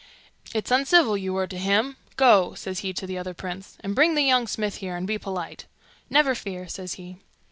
'It's uncivil you were to him. Go,' says he to the other prince, 'and bring the young smith here, and be polite.' 'Never fear,' says he.